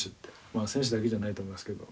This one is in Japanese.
まあ選手だけじゃないと思いますけど。